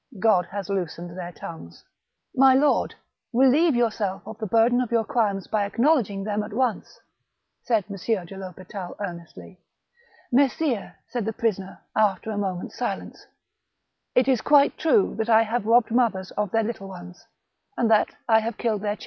God has loosened their tongues." " My lord ! relieve yourself of the burden of your crimes by acknowledging them at once," said M. de FHospital earnestly. " Messires !" said the prisoner^ after a moment's silence :" it is quite true that I have robbed mothers of their little ones ; and that I have killed their THE MARi:CHAL DE RETZ.